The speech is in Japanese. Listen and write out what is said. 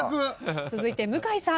続いて向井さん。